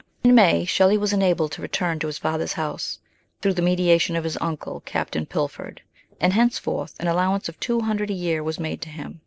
In May Shelley was enabled to return to his father's house, through the mediation of his uncle, Captain Pilfold, and henceforth an allowance of two hundred a year was made to him.